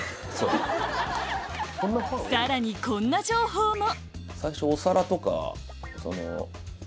さらにこんな情報も！